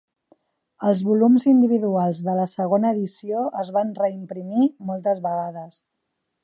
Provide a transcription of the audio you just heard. Els volums individuals de la segona edició es van reimprimir moltes vegades.